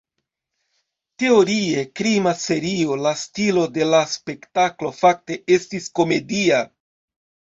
Teorie krima serio, la stilo de la spektaklo fakte estis komedia.